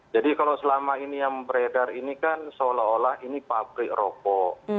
jadi kalau selama ini yang beredar ini kan seolah olah ini pabrik rokok